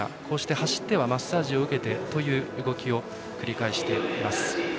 走ってはマッサージを受けてという動きを繰り返しています。